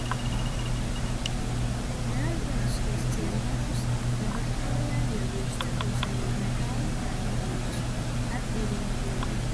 Neorganiskos cianātus laboratorijā iegūst, sakausējot metālu karbonātus ar urīnvielu.